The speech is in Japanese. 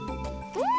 うん。